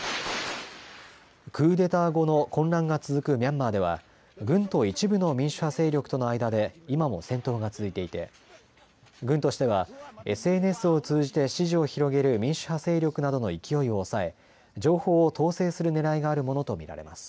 クーデター後の混乱が続くミャンマーでは軍と一部の民主派勢力との間で今も戦闘が続いていて軍としてはＳＮＳを通じて支持を広げる民主派勢力などの勢いを抑え、情報を統制するねらいがあるものと見られます。